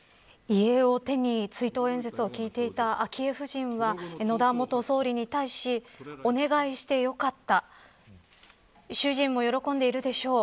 遺影を手に追悼演説を聞いていた昭恵夫人は野田元総理に対しお願いしてよかった主人も喜んでいるでしょう